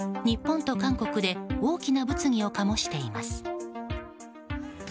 日本と韓国で大きな物議を醸しています。